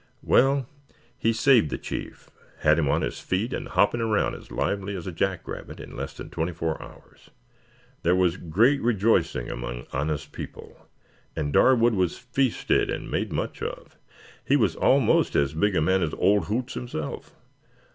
Well, he saved the chief had him on his feet and hopping around as lively as a jack rabbit in less than twenty four hours. There was great rejoicing among Anna's people, and Darwood was feasted and made much of. He was almost as big a man as Old Hoots himself.